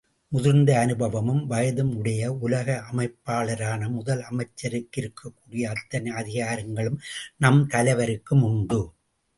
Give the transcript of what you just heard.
முதிர்ந்த அனுபவமும் வயதும் உடைய உலக அமைப்பாளரான முதல் அமைச்சருக்கிருக்கக்கூடிய அத்தனை அதிகாரங்களும் நம் தலைவருக்கும் உண்டு!